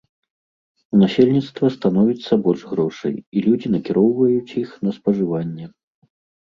У насельніцтва становіцца больш грошай, і людзі накіроўваюць іх на спажыванне.